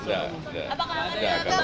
tidak tidak ada